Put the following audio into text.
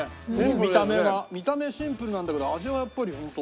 見た目が見た目シンプルなんだけど味がやっぱりホント。